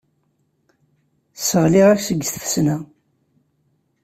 Sseɣliɣ-ak deg tfesna.